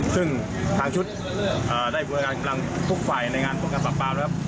ซึ่งทางชุดเอ่อได้ด้วยพลังทุกฝ่ายในงานบ้านะครับ